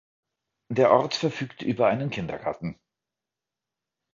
Der Ort verfügt über einen Kindergarten.